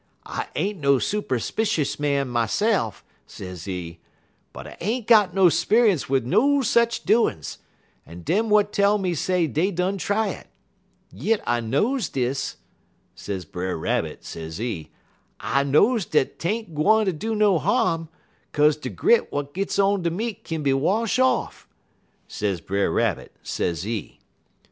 I ain't no superspicious man myse'f,' sezee, 'en I ain't got no 'speunce wid no sech doin's, but dem w'at tell me say dey done try it. Yit I knows dis,' says Brer Rabbit, sezee, 'I knows dat 't ain't gwine do no harm, 'kaze de grit w'at gits on de meat kin be wash off,' sez Brer Rabbit, sezee.